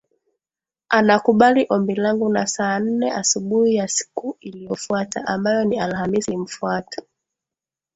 anakubali ombi langu na saa nne asubuhi ya siku iliyofuata ambayo ni Alhamisi nilimfuata